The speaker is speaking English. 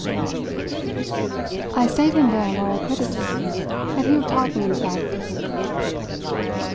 VII I stayed him there while I put it to him that he would probably in fact prefer to go back.